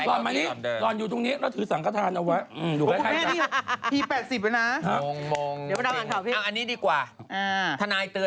เอาไปอยู่ง่างต่อเหมือนเดิมไป